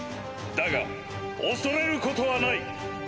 だが恐れることはない！